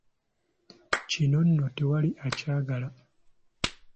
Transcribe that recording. Kino nno tewali akyagala.